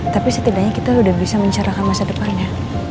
tapi setidaknya kita udah bisa mencarakan masa depannya